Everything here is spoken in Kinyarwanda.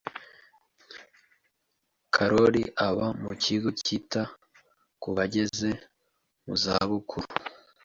Karoli aba mu kigo cyita ku bageze muzabukuru.